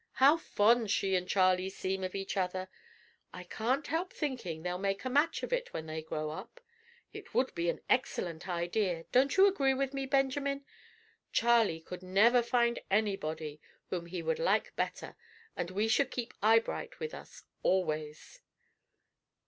How fond she and Charley seem of each other! I can't help thinking they'll make a match of it when they grow up. It would be an excellent idea, don't you agree with me, Benjamin? Charley could never find anybody whom he would like better, and then we should keep Eyebright with us always."